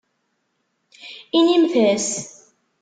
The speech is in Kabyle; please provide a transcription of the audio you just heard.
Inimt-as.